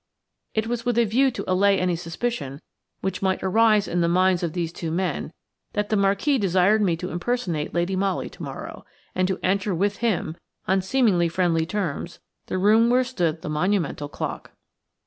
It was with a view to allay any suspicion which might arise in the minds of these two men that the Marquis desired me to impersonate Lady Molly to morrow, and to enter with him–on seemingly friendly terms–the room where stood the monumental clock.